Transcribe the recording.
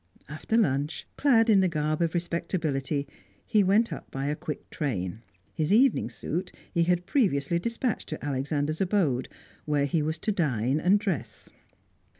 After lunch, clad in the garb of respectability, he went up by a quick train. His evening suit he had previously despatched to Alexander's abode, where he was to dine and dress.